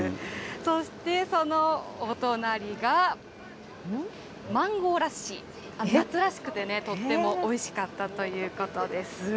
そして、そのお隣がマンゴーラッシー、夏らしくてとってもおいしかったということです。